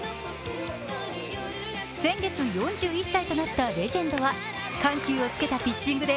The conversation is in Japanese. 先月、４１歳となったレジェンドは緩急をつけたピッチングで